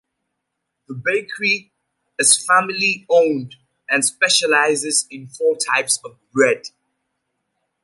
The bakery is family-owned and specializes in four types of bread.